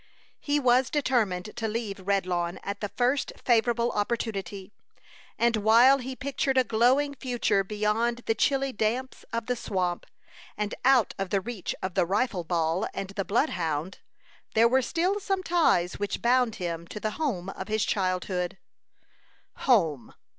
He was determined to leave Redlawn at the first favorable opportunity; and while he pictured a glowing future beyond the chilly damps of the swamp, and out of the reach of the rifle ball and the bloodhound, there were still some ties which bound him to the home of his childhood. Home!